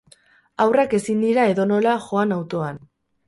Haurrak ezin dira edonola joan autoan.